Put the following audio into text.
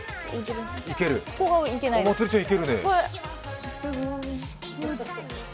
まつりちゃん、いけるねぇ。